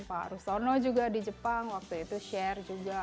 pak rustono juga di jepang waktu itu share juga